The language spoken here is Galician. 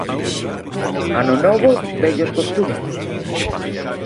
Ano novo, vellos costumes.